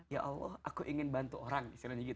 ya allah aku ingin bantu orang